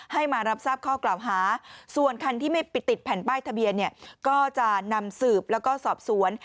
ให้มารับทราบข้อกล่าวหาส่วนคันที่ไม่ติดแผ่นป้ายทะเบียนเนี่ยก็จะนำสืบแล้วก็สอบสวน